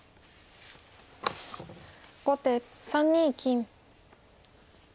後手３二金。